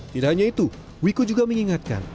tidak hanya itu wiku juga mengingatkan